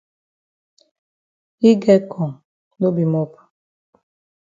Yi get kong no be mop.